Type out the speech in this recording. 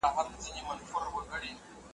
زه به اوږده موده مېوې راټولې وم